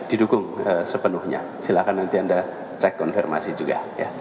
didukung sepenuhnya silahkan nanti anda cek konfirmasi juga